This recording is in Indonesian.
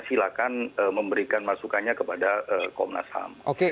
silahkan memberikan masukannya kepada komnas ham